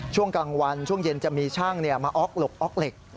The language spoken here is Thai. ช่วงกลางวันช่วงเย็นจะมีช่างมาอ๊อกหลบออกเหล็ก